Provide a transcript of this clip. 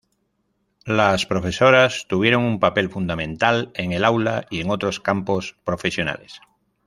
Las profesoras tuvieron un papel fundamental, en el aula y en otros campos profesionales.